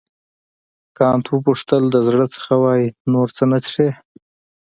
کانت وپوښتل د زړه څخه وایې نور نه څښې.